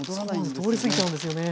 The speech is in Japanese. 通り過ぎちゃうんですよね。